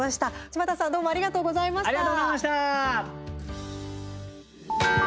柴田さんありがとうございました。